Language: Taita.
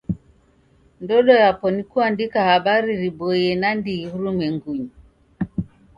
Ndodo yapo ni kuandika habari riboie nandighi w'urumwengunyi.